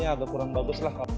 ya agak kurang baguslah pak